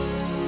ini fitnah pak